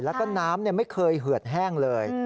แล้วก็น้ำไม่เคยเหือดแห้งเลย